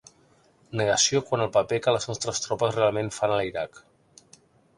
Negació quant al paper que les nostres tropes realment fan a l'Iraq.